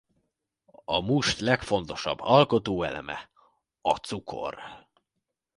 A must legfontosabb alkotóeleme a cukor.